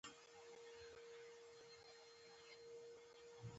په افغانستان کې د مېوو لپاره طبیعي شرایط پوره مناسب دي.